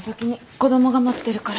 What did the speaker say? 子供が待ってるから。